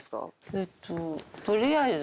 えっととりあえず。